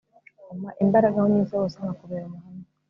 umpa imbaraga aho nyuze hose, nkakubera umuhamya